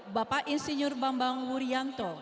bapak insinyur bambang wuryanto